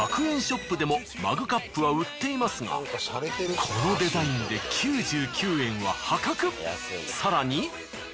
１００円ショップでもマグカップは売っていますがこのデザインで更に。